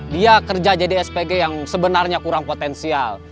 dia kerja jadi spg yang sebenarnya kurang potensial